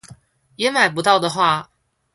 也買不到的話